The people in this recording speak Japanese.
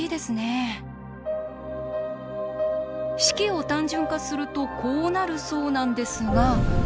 式を単純化するとこうなるそうなんですが。